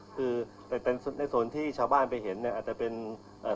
คือในในส่วนที่ชาวบ้านไปเห็นนะอาจจะเป็นอ่า